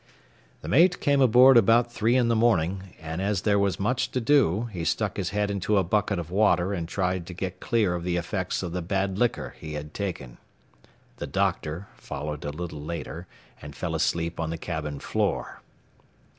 The mate came aboard about three in the morning, and as there was much to do, he stuck his head into a bucket of water and tried to get clear of the effects of the bad liquor he had taken. The "doctor" followed a little later, and fell asleep on the cabin floor.